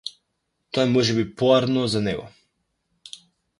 Тоа е можеби поарно за него.